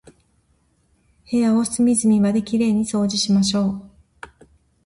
部屋を隅々まで綺麗に掃除しましょう。